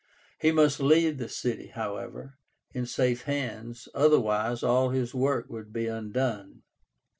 He must leave the city, however, in safe hands, otherwise all his work would be undone.